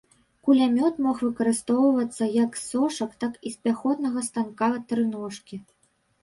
Кулямёт мог выкарыстоўвацца як з сошак, так і з пяхотнага станка-трыножкі.